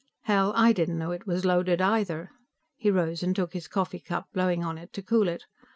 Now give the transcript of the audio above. '" "Hell, I didn't know it was loaded, either." He rose and took his coffee cup, blowing on it to cool it.